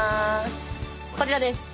こちらです。